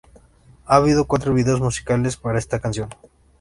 Ha habido cuatro videos musicales para esta canción.